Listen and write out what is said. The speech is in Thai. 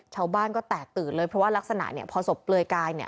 ชาวบ้านก็แตกตื่นเลยเพราะว่ารักษณะพอศพเปลยกาย